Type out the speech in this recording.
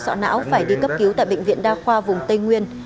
hậu sợ não phải đi cấp cứu tại bệnh viện đa khoa vùng tây nguyên